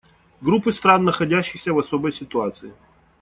Группы стран, находящихся в особой ситуации.